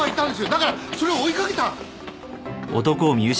だからそれを追い掛けた。